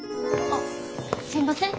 あっすいません